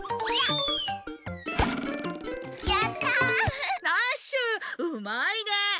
うまいね！